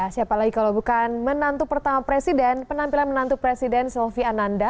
siapa lagi kalau bukan menantu pertama presiden penampilan menantu presiden sylvi ananda